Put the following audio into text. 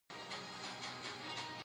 ملالۍ یادېږي.